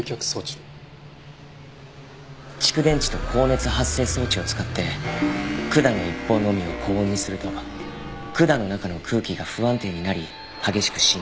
蓄電池と高熱発生装置を使って管の一方のみを高温にすると管の中の空気が不安定になり激しく振動します。